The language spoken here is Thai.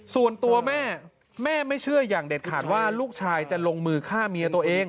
ส่วนตัวแม่แม่ไม่เชื่ออย่างเด็ดขาดว่าลูกชายจะลงมือฆ่าเมียตัวเอง